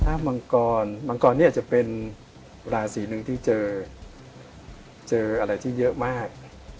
ถ้ามังกรมังกรเนี่ยอาจจะเป็นราศีหนึ่งที่เจอเจออะไรที่เยอะมาก